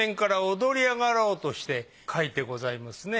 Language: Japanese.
踊り上がろうとして描いてございますね。